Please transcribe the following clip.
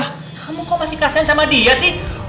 kamu kok masih kasian sama dia sih